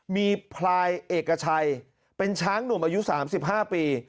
มีพลายเอกชัยเป็นช้างหนุ่มอายุ๓๕ปี